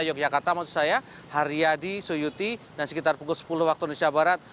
yang pertama itu saya haryadi soyuti dan sekitar pukul sepuluh waktu indonesia barat